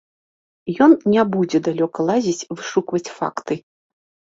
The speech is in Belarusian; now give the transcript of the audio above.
Ён не будзе далёка лазіць, вышукваць факты.